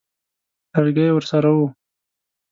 لرګی ورسره وو.